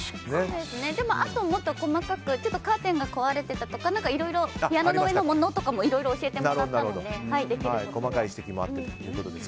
でももっと細かくカーテンが壊れてたとかピアノの上のものとかもいろいろ教えてもらったのでできることを。